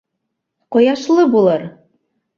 Ҡояшлы булыр!